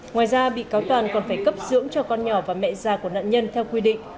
ngoài ra bị cáo toàn còn phải cấp dưỡng cho con nhỏ và mẹ già của nạn nhân theo quy định